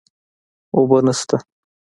اوبه نشته